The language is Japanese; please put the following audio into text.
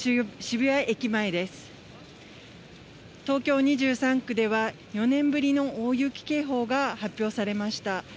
東京２３区では、４年ぶりの大雪警報が発表されました。